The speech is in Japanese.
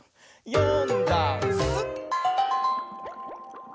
「よんだんす」